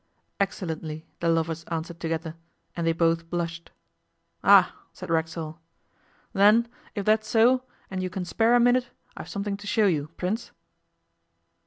'Excellently,' the lovers answered together, and they both blushed. 'Ah!' said Racksole. 'Then, if that's so, and you can spare a minute, I've something to show you, Prince.